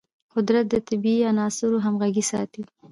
قدرت د طبیعي عناصرو همغږي ساتي.